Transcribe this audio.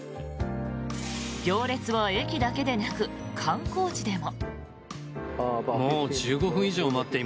行列は駅だけでなく観光地でも。